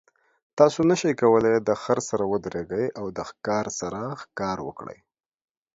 تاسو نشئ کولی د خر سره ودریږئ او د ښکار سره ښکار وکړئ.